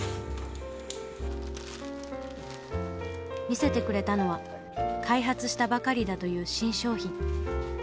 見せてくれたのは開発したばかりだという新商品。